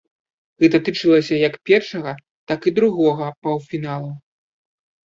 Гэта тычылася як першага, так і другога паўфіналаў.